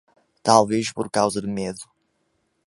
Talvez por causa do medo